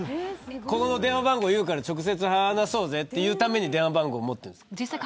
ここの電話番号言うから直接話そうぜというために電話番号持ってるんです。